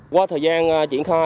qua thời gian diễn thông